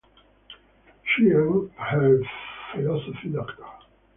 She earned her PhD.